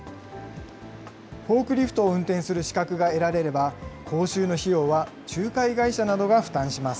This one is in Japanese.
フォークリフトを運転する資格が得られれば、講習の費用は仲介会社などが負担します。